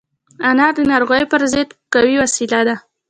انار د ناروغیو پر ضد قوي وسيله ده.